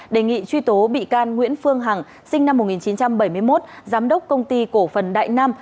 đề nghị truy tố bị can nguyễn phương hằng sinh năm một nghìn chín trăm bảy mươi một giám đốc công ty cổ phần đại nam